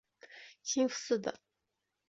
兴福寺的。